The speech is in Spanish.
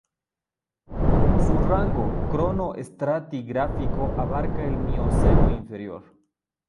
Su rango cronoestratigráfico abarca el Mioceno inferior.